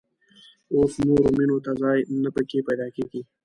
اوس نورو مېنو ته ځای نه په کې پيدا کېږي.